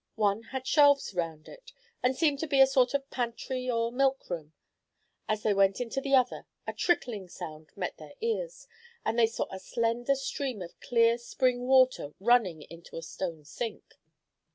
One had shelves round it, and seemed to be a sort of pantry or milk room. As they went into the other, a trickling sound met their ears, and they saw a slender stream of clear spring water running into a stone sink.